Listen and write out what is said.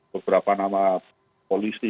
beberapa nama polisi